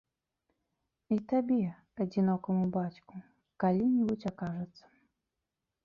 І табе, адзінокаму бацьку, калі-небудзь акажацца.